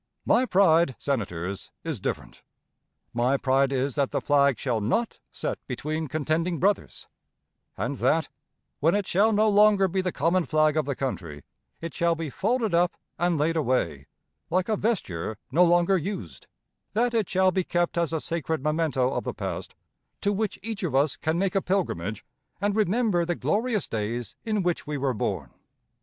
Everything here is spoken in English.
My pride, Senators, is different. My pride is that that flag shall not set between contending brothers; and that, when it shall no longer be the common flag of the country, it shall be folded up and laid away like a vesture no longer used; that it shall be kept as a sacred memento of the past, to which each of us can make a pilgrimage and remember the glorious days in which we were born.